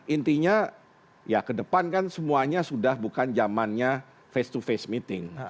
intinya ya ke depan kan semuanya sudah bukan zamannya face to face meeting